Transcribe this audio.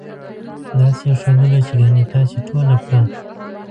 داسې یې ښودله چې ګنې تاسې ټوله پړه.